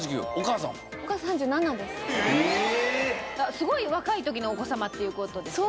すごい若い時のお子様っていう事ですね。